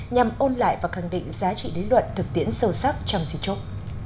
nhằm ôn lại và khẳng định giá trị lý luận thực tiễn sâu sắc trong di trúc